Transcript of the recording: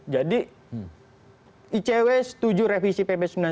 jadi icw setuju revisi pp sembilan puluh sembilan